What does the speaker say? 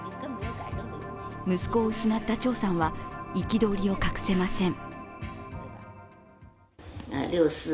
息子を失った張さんは憤りを隠せません。